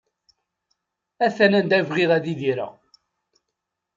Atan anda bɣiɣ ad idireɣ!